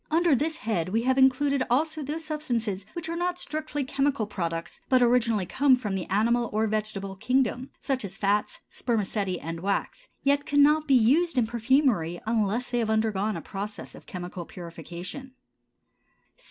Under this head we have included also those substances which are not strictly chemical products, but originally come from the animal or vegetable kingdom, such as fats, spermaceti, and wax, yet cannot be used in perfumery unless they have undergone a process of chemical purification.